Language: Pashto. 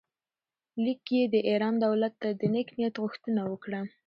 لیک کې یې د ایران دولت ته د نېک نیت غوښتنه وکړه.